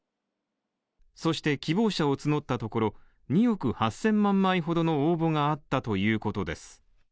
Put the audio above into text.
そして希望者を募ったところ、２億８０００万枚ほどの応募があったということです。